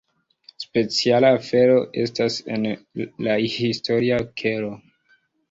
Speciala afero estas en la historia kelo.